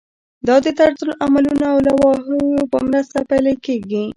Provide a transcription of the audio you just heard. دا د طرزالعملونو او لوایحو په مرسته پلی کیږي.